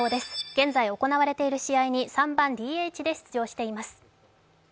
現在行われている試合に３番・ＤＨで出場しています。